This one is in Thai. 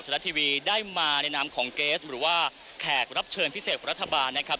หรือว่าแขกรับเชิญพิเศษของรัฐบาลนะครับ